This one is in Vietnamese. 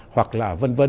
hoặc là v v